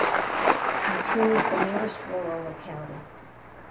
Kuytun is the nearest rural locality.